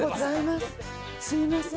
すみません。